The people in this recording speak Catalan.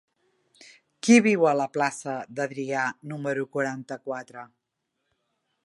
Qui viu a la plaça d'Adrià número quaranta-quatre?